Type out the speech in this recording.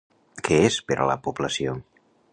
Què és per a la població?